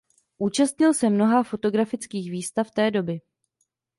Účastnil se mnoha fotografických výstav té doby.